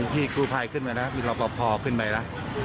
พี่กูบ่่อยกลัวครับเพราะพอขึ้นไปหละ